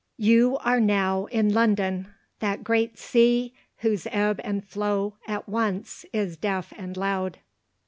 You are now In London, that great sea, whose ebb and How. At once is deaf and loud.